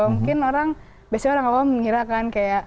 mungkin orang biasanya orang awal mengira kan kayak